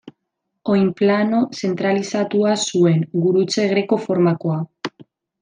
Oinplano zentralizatua zuen, gurutze greko formakoa.